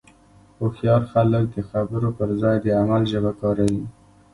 هوښیار خلک د خبرو پر ځای د عمل ژبه کاروي.